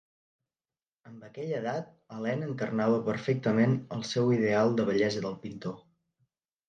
Amb aquella edat, Helena encarnava perfectament el seu ideal de bellesa del pintor.